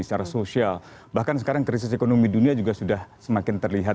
secara sosial bahkan sekarang krisis ekonomi dunia juga sudah semakin terlihat